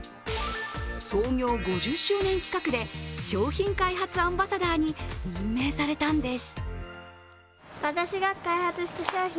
創業５０周年企画で商品開発アンバサダーに任命されたんです。